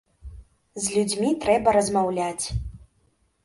З людзьмі трэба размаўляць.